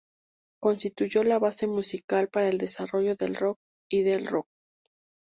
Constituyó la base musical para el desarrollo del rock and roll.